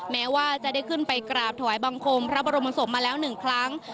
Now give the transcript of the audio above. แม้ว่าจะได้ขึ้นไปกราบถวายบังคมพระบรมศพมาแล้ว๑ครั้ง